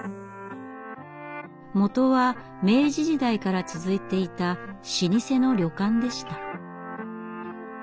元は明治時代から続いていた老舗の旅館でした。